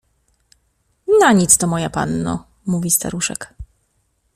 — Na nic to, moja panno — mówi staruszek.